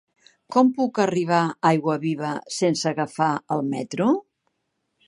Com puc arribar a Aiguaviva sense agafar el metro?